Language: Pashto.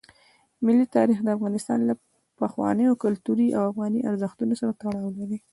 ملي تاریخ د افغانستان له پخوانیو کلتوري او افغاني ارزښتونو سره تړاو لري.